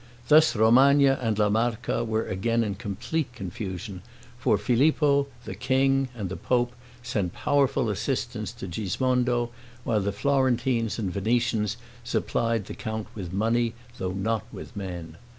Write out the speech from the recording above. Thus Romagna and La Marca were again in complete confusion, for Filippo, the king, and the pope, sent powerful assistance to Gismondo, while the Florentines and Venetians supplied the count with money, though not with men.